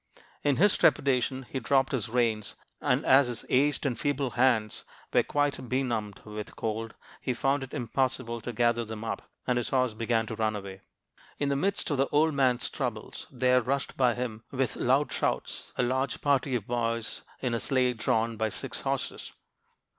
In his trepidation he dropped his reins; and as his aged and feeble hands were quite benumbed with cold, he found it impossible to gather them up, and his horse began to run away. "In the midst of the old man's troubles, there rushed by him, with loud shouts, a large party of boys in a sleigh drawn by six horses.